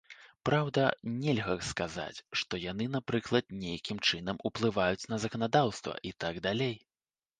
Праўда, нельга сказаць, што яны напрыклад, нейкім чынам уплываюць на заканадаўства і так далей.